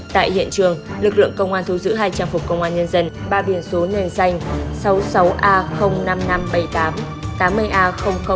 tại hiện trường lực lượng công an thu giữ hai trang phục công an nhân dân ba biển số nền danh sáu mươi sáu a năm nghìn năm trăm bảy mươi tám tám mươi a bảy trăm tám mươi chín tám mươi a bảy nghìn chín trăm chín mươi bảy